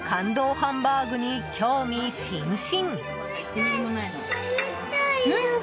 ハンバーグに興味津々。